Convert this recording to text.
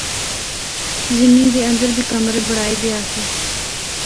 زِمّی دے اندر بھی کمرے بنڑائے دے آسے۔